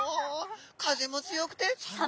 風も強くて。